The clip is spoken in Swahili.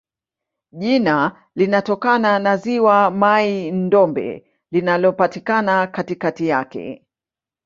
Jina linatokana na ziwa Mai-Ndombe linalopatikana katikati yake.